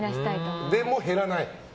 でも、減らない？